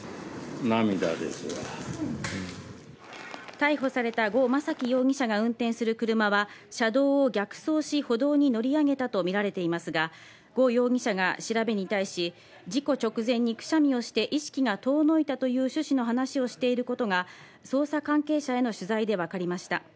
逮捕された呉昌樹容疑者が運転する車は車道を逆走し、歩道に乗り上げたとみられていますが、呉容疑者が調べに対し、事故直前にくしゃみをして意識が遠のいたという趣旨の話をしていることが捜査関係者への取材でわかりました。